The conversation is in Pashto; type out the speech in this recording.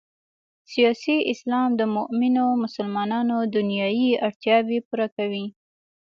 سیاسي اسلام د مومنو مسلمانانو دنیايي اړتیاوې پوره کوي.